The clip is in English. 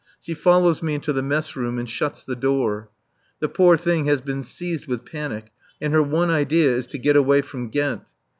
She follows me into the mess room and shuts the door. The poor thing has been seized with panic, and her one idea is to get away from Ghent.